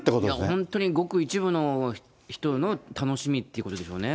本当にごく一部の人の楽しみということですよね。